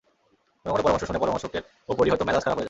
কোনো কোনো পরামর্শ শুনে পরামর্শকের ওপরই হয়তো মেজাজ খারাপ হয়ে যায়।